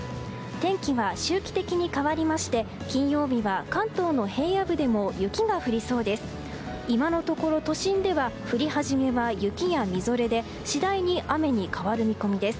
天気は周期的に変わりまして金曜日は関東の平野部でも雪が降りそうです。